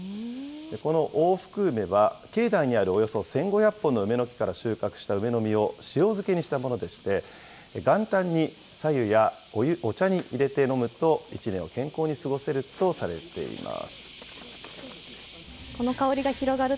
この大福梅は、境内にあるおよそ１５００本の梅の木から収穫した梅の実を塩漬けにしたものでして、元旦にさ湯やお茶に入れて飲むと、１年を健康に過ごせるとされています。